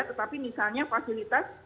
tetapi misalnya fasilitas pembangunan